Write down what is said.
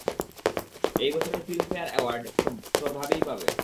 এই বছরের Filmfare award, তোর ভাবিই পাবে।